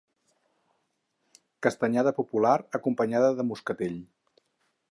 Castanyada popular, acompanyada de moscatell.